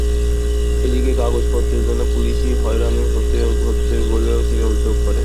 এদিকে কাগজপত্রের জন্য পুুলিশি হয়রানি হতে হচ্ছে বলেও তিনি অভিযোগ করেন।